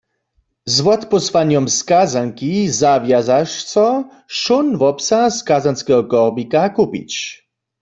Z wotpósłanjom skazanki zawjazaš so wšón wobsah skazanskeho korbika kupić.